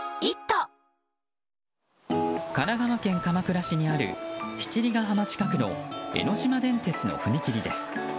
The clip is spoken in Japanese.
神奈川県鎌倉市にある七里ヶ浜近くの江ノ島電鉄の踏切です。